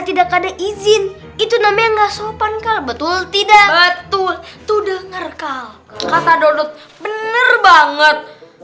tidak ada izin itu namanya nggak sopan betul tidak betul tuh denger kata dodot bener banget